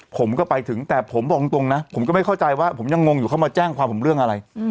ผมก็ไปถึงแต่ผมบอกตรงนะผมก็ไม่เข้าใจว่าผมยังงงอยู่เขามาแจ้งความผมเรื่องอะไร